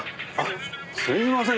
すいません